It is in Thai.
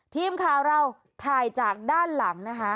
ทีมข่าวเราถ่ายจากด้านหลังนะคะ